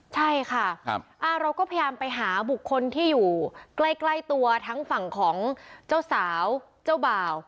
ใช่ค่ะเราก็พยายามไปหาบุคคลที่อยู่ใกล้ตัวทั้งฝั่งของเจ้าสาวเจ้าบ่าว